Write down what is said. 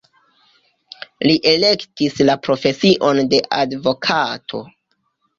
Li elektis la profesion de advokato.